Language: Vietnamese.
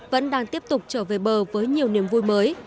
vẫn đang tiếp tục trở về bờ với nhiều niềm vui mới